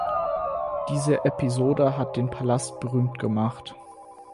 Diese Episode hat den Palast berühmt gemacht.